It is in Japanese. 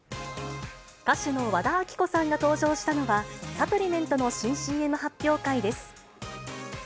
歌手の和田アキ子さんが登場したのは、サプリメントの新ＣＭ発表会です。